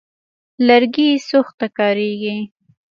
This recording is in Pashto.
لرګي سوخت ته کارېږي.